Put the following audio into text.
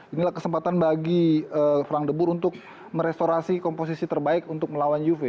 inilah kesempatan bagi frank debur untuk merestorasi komposisi terbaik untuk melawan juve